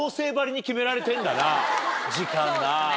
時間な。